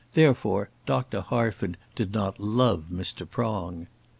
Therefore Dr. Harford did not love Mr. Prong.